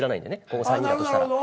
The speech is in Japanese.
ここ３人だとしたら。